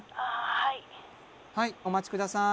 はいお待ち下さい。